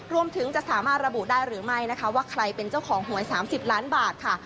รวมถึงจะสามารถระบุได้หรือไม่นะคะว่าใครเป็นเจ้าของหวย๓๐ล้านบาทค่ะ